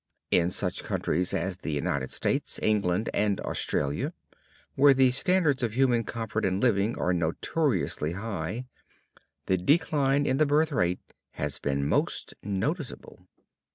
In such countries as the United States, England and Australasia, where the standards of human comfort and living are notoriously high, the decline in the birth rate has been most noticeable.